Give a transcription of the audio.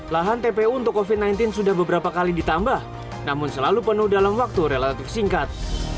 lahan tpu untuk covid sembilan belas sudah beberapa kali ditambah namun selalu penuh dalam waktu relatif singkat